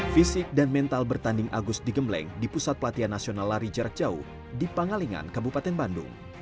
fisik dan mental bertanding agus digembleng di pusat pelatihan nasional lari jarak jauh di pangalingan kabupaten bandung